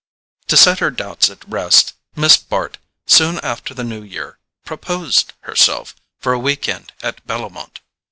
To set her doubts at rest, Miss Bart, soon after the New Year, "proposed" herself for a week end at Bellomont.